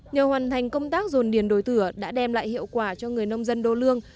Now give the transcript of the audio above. nhờ hoàn thành công tác dồn điền đổi thửa đã đem lại hiệu quả cho người nông dân đô lương